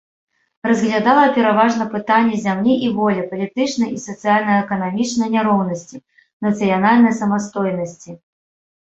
Разглядала пераважна пытанні зямлі і волі, палітычнай і сацыяльна-эканамічнай няроўнасці, нацыянальнай самастойнасці.